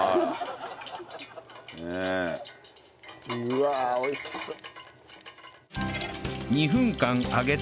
うわ美味しそう。